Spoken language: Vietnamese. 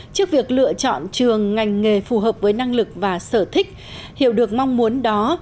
trước việc lựa chọn trường ngành nghề phù hợp với năng lực và sở thích hiểu được mong muốn đó